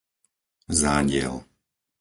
Zádiel